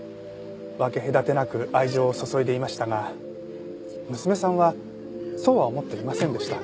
分け隔てなく愛情を注いでいましたが娘さんはそうは思っていませんでした。